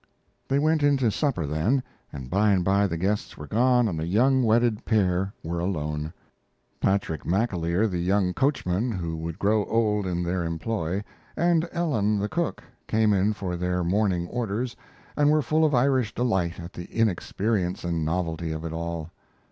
They went in to supper then, and by and by the guests were gone and the young wedded pair were alone. Patrick McAleer, the young coachman, who would grow old in their employ, and Ellen, the cook, came in for their morning orders, and were full of Irish delight at the inexperience and novelty of it all.